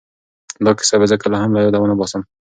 دا کیسه به زه کله هم له یاده ونه باسم.